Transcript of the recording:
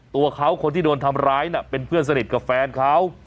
ตัวเขาคนที่โดนทำร้ายน่ะเป็นเพื่อนสนิทกับแฟนเขา